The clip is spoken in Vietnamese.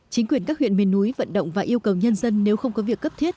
chính quyền các huyện miền núi vận động và yêu cầu nhân dân nếu không có việc cấp thiết